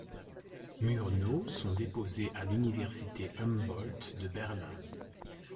Murnau sont déposées à l'Université Humbolt de Berlin.